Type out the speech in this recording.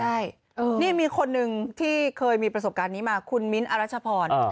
ใช่นี่มีคนหนึ่งที่เคยมีประสบการณ์นี้มาคุณมิ้นทรัชพร